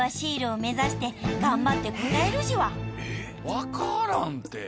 分からんって！